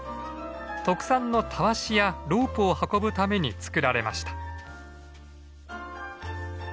特産のたわしやロープを運ぶために作られました。